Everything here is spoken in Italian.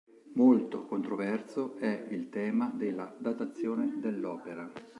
Molto controverso è il tema della datazione dell'opera.